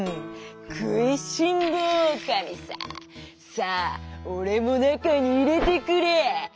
さあおれもなかにいれてくれ！」。